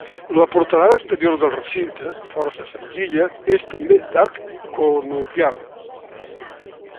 La portalada exterior del recinte, força senzilla, és també d'arc conopial.